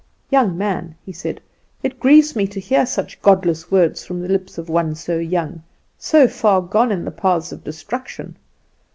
'Young man,' he said, 'it grieves me to hear such godless words from the lips of one so young so far gone in the paths of destruction.